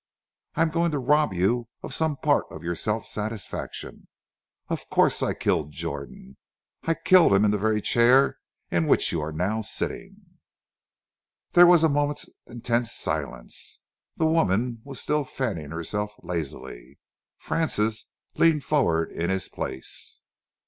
I am going to rob you of some part of your self satisfaction. Of course I killed Jordan. I killed him in the very chair in which you are now sitting." There was a moment's intense silence. The woman was still fanning herself lazily. Francis leaned forward in his place.